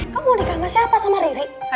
kamu mau nikah sama siapa sama riri